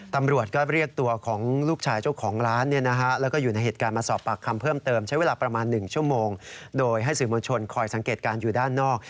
ตำรวจก็เรียกตัวของลูกชายเจ้าของร้านแล้วก็อยู่ในเหตุการณ์มาสอบปากคำเพิ่มเติมใช้เวลาประมาณ๑ชั่วโมงโดยให้สื่อมวลชนคอยสังเกตการณ์อยู่ด้านนอก